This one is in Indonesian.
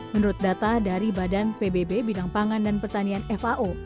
menurut data dari badan pbb bidang pangan dan pertanian fao